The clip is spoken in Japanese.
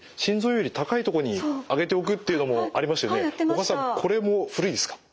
小川さんこれも古いですか？